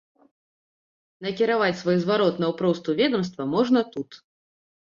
Накіраваць свой зварот наўпрост у ведамства можна тут.